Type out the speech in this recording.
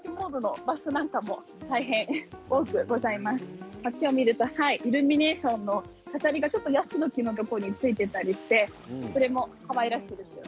ファッションビルのイルミネーションの明かりがヤシの木のところについていたりしてそれもかわいらしいですよね。